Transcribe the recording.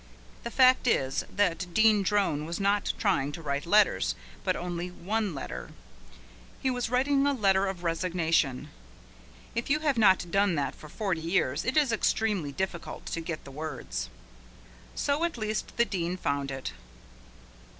The fact is that Dean Drone was not trying to write letters, but only one letter. He was writing a letter of resignation. If you have not done that for forty years it is extremely difficult to get the words. So at least the Dean found it.